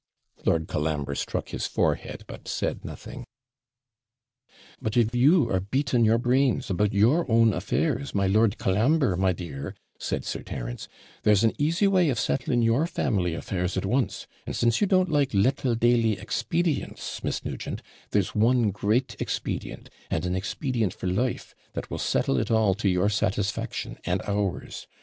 Lord Colambre struck his forehead, but said nothing. 'But if you are beating your brains about your own affairs, my Lord Colambre, my dear,' said Sir Terence, 'there's an easy way of settling your family affairs at once; and, since you don't like little daily expedients, Miss Nugent, there's one great expedient, and an expedient for life, that will settle it all to your satisfaction and ours.